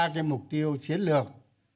ba cái mục tiêu chiến lược